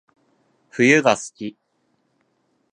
冬が好き